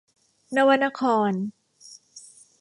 นวนคร